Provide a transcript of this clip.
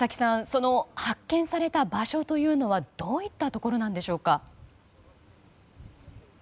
その発見された場所というのはどういったところでしょうか。